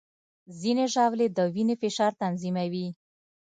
ځینې ژاولې د وینې فشار تنظیموي.